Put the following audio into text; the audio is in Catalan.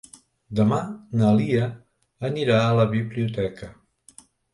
Demà na Lia anirà a la biblioteca.